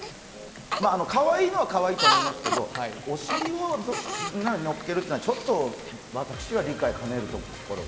かわいいのはかわいいと思いますけど、お尻を載っけるというのは、ちょっと私は理解しかねるところが。